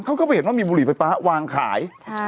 เขาก็ไปเห็นว่ามีบุหรี่ไฟฟ้าวางขาย